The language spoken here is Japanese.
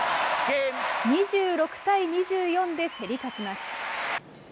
２６対２４で競り勝ちます。